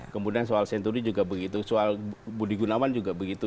kemudian soal senturi juga begitu soal budi gunawan juga begitu